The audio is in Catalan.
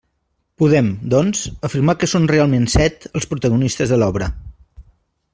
Podem, doncs, afirmar que són realment set els protagonistes de l'obra.